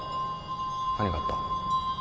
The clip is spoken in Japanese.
何があった？